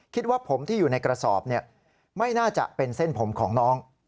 คิดว่าผมที่อยู่ในกระสอบไม่น่าจะเป็นเส้นผมของน้อง